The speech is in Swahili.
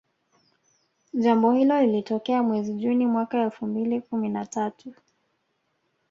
Jambo hilo lilitokea mwezi juni mwaka elfu mbili kumi na tatau